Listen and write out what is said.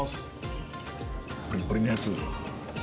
プリプリのやつ。